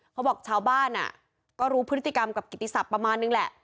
เขาบอกชาวบ้านก็รู้พฤติกรรมกับกิติศัพทประมาณนึงแหละ